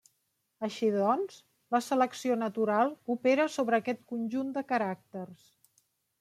Així doncs, la selecció natural opera sobre aquest conjunt de caràcters.